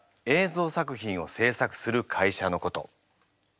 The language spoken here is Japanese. ぞう作品を制作する会社のこと。